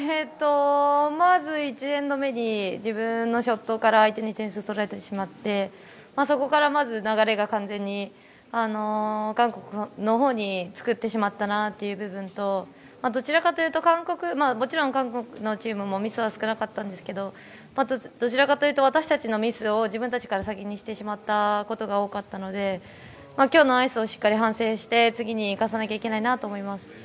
まず１エンド目に自分のショットから相手に点数を取られてしまってそこからまず流れが完全に韓国の方に作ってしまったなという部分ともちろん韓国のチームもミスは少なかったんですけどどちらかというと私たちのミスを自分たちから先にしてしまったことが多かったので今日のアイスをしっかり反省して、次に生かさなきゃいけないと思います。